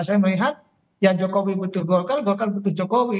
saya melihat ya jokowi butuh golkar golkar butuh jokowi